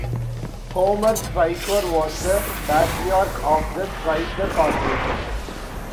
Homer Stryker was the patriarch of the Stryker Corporation.